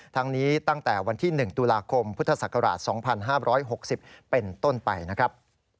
ทางนี้ตั้งแต่วันที่๑ตุลาคมพศ๒๕๖๐เป็นต้นไปนะครับ